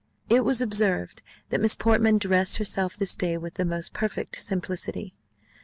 It was observed, that Miss Portman dressed herself this day with the most perfect simplicity.